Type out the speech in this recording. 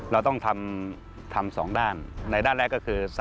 เราต้องทำ๒ด้านในด้านแรกก็คือ